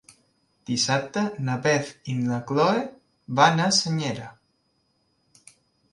Dissabte na Beth i na Chloé van a Senyera.